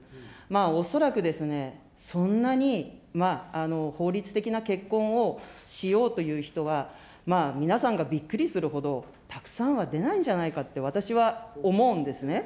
恐らくですね、そんなに法律的な結婚をしようという人は、皆さんがびっくりするほど、たくさんは出ないんじゃないかって私は思うんですね。